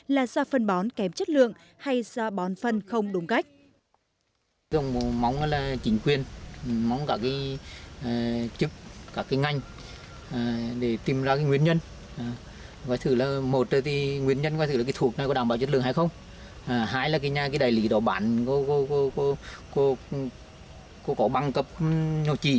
là do phân bón kém chất lượng hay do bón phân không đúng cách